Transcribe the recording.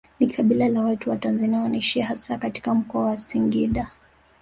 Ni kabila la watu wa Tanzania wanaoishi hasa katika Mkoa wa Singida